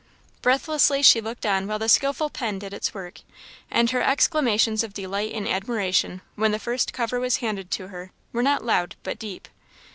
Breathlessly she looked on while the skilful pen did its work; and her exclamations of delight and admiration when the first cover was handed to her were not loud but deep.